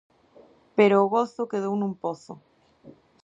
Pero o gozo quedou nun pozo.